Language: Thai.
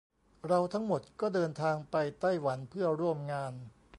เราทั้งหมดก็เดินทางไปไต้หวันเพื่อร่วมงาน